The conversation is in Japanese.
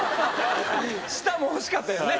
下も欲しかったよね。